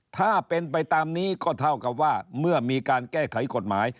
ถ้าเป็นไปตามนี้ก็เท่ากับว่าเมื่อมีการแก้ไขกฎหมาย